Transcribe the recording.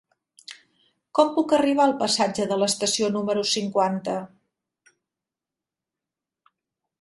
Com puc arribar al passatge de l'Estació número cinquanta?